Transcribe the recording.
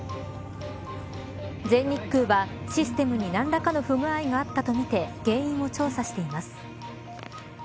全日空は、システムに何らかの不具合があったとみて原因を調査しています。